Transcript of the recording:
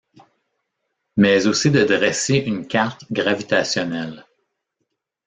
Mais aussi de dresser une carte gravitationnelle.